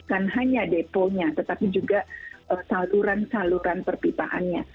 bukan hanya deponya tetapi juga saluran saluran perpipaannya